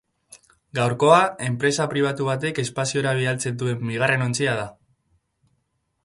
Gaurkoa enpresa pribatu batek espaziora bidaltzen duen bigarren ontzia da.